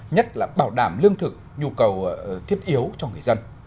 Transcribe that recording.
nhất là bảo đảm lương thực nhu cầu thiết yếu cho người dân